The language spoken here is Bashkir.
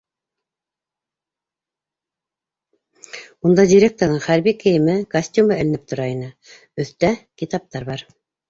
Унда директорҙың хәрби кейеме, костюмы эленеп тора ине, өҫтә китаптар бар.